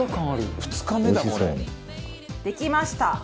和田：できました。